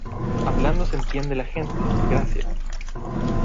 hablando se entiende la gente. gracias .